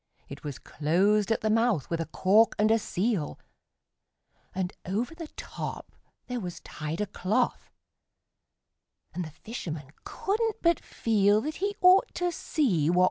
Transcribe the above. It was closed at the mouth with a cork and a seal, And over the top there was tied A cloth, and the fisherman couldn't but feel That he ought to see what was inside.